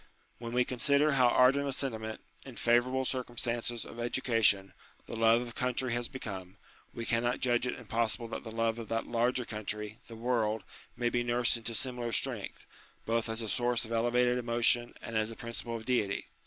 When we consider how ardent a sentiment, in favourable circumstances of education, the love of country has become, we cannot judge it impossible that the love of that larger country, the world, may be nursed into similar strength, both as a source of elevated emotion and as a principle of duty.